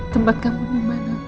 tempat kamu dimana